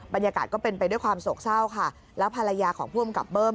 บรรยากาศก็เป็นไปด้วยความโศกเศร้าค่ะแล้วภรรยาของผู้กำกับเบิ้ม